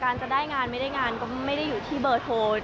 การจะได้งานไม่ได้งานก็ไม่ได้อยู่ที่เบอร์โทร